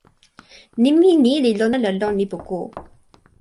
nimi ni li lon ala lon lipu ku?